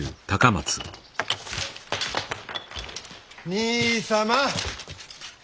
兄様。